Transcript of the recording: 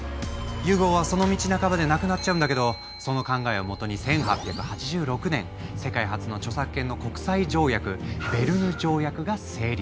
ユゴーはその道半ばで亡くなっちゃうんだけどその考えをもとに１８８６年世界初の著作権の国際条約ベルヌ条約が成立。